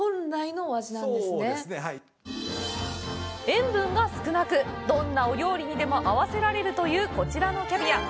塩分が少なく、どんなお料理にでも合わせられるという、こちらのキャビア。